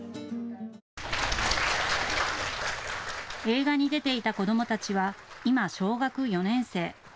映画に出ていた子どもたちは今、小学４年生。